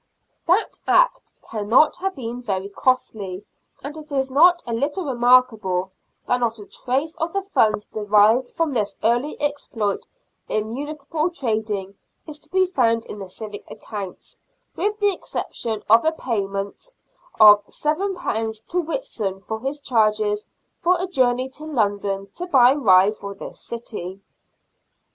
That Act cannot have been very costly, and it is not a little remarkable that not a trace of the funds derived from this early exploit in municipal trading is to be found in the civic accounts, with the exception of a payment of £y to Whitson for his charges for a journey to London to buy rye for this city.